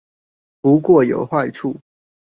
不過有壞處